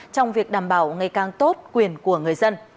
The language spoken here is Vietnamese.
trong việc đảm bảo ngày càng tốt quyền của người dân